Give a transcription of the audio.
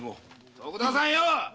徳田さんよぉ！